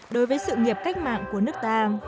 đối với sự nghiệp cách mạng của nước ta